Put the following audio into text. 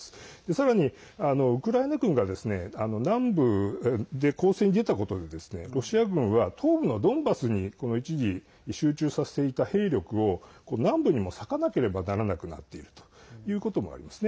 さらに、ウクライナ軍が南部で攻勢に出たことでロシア軍は東部のドンバスに一時集中させていた兵力を南部にも割かなければならなくなっているということもあります。